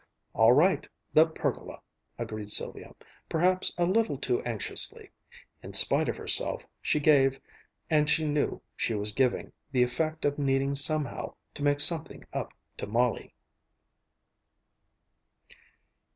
"All right the pergola!" agreed Sylvia, perhaps a little too anxiously. In spite of herself, she gave, and she knew she was giving, the effect of needing somehow to make something up to Molly....